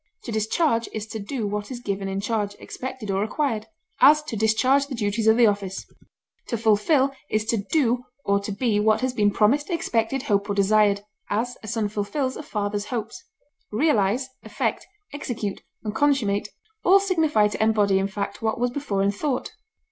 To discharge is to do what is given in charge, expected, or required; as, to discharge the duties of the office. To fulfil is to do or to be what has been promised, expected, hoped, or desired; as, a son fulfils a father's hopes. Realize, effect, execute, and consummate all signify to embody in fact what was before in thought.